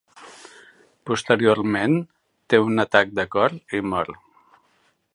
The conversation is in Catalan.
Posteriorment, té un atac de cor i mor.